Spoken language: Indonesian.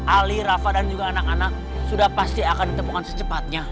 ali rafa dan juga anak anak sudah pasti akan ditemukan secepatnya